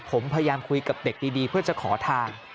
ผมพยายามคุยกับเด็กดีเพื่อจะขอทาง